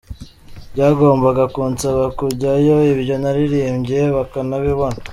Byagombaga kunsaba kujyayo, ibyo naririmbye bakanabibona.